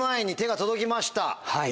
はい。